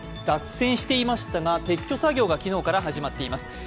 ２脱線していましたが撤去作業が昨日から始まっています。